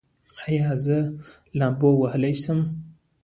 ایا زه لامبو وهلی شم؟